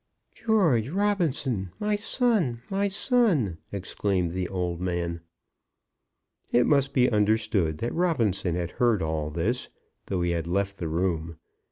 "George Robinson, my son, my son!" exclaimed the old man. It must be understood that Robinson had heard all this, though he had left the room.